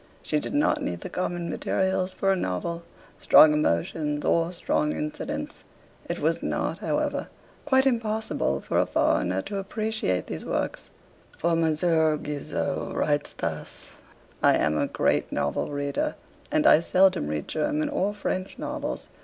She did not need the common materials for a novel, strong emotions, or strong incidents.' It was not, however, quite impossible for a foreigner to appreciate these works; for Mons. Guizot writes thus: 'I am a great novel reader, but I seldom read German or French novels.